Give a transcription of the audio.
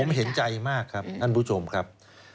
ผมเห็นใจมากครับท่านผู้ชมครับ